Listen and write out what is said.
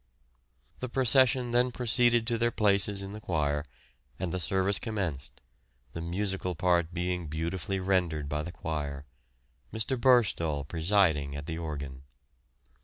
The procession then proceeded to their places in the choir, and the service commenced, the musical part being beautifully rendered by the choir, Mr. Burstall presiding at the organ.